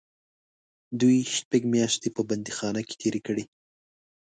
دوی شپږ میاشتې په بندیخانه کې تېرې کړې.